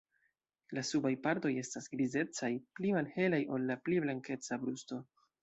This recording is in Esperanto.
La subaj partoj estas grizecaj, pli malhelaj ol la pli blankeca brusto.